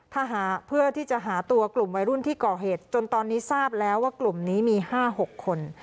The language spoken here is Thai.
ถ้าหาเพื่อที่จะหาตัวกลุ่มวัยรุ่นที่ก่อเหตุจนตอนนี้ทราบแล้วว่ากลุ่มนี้มี๕๖คน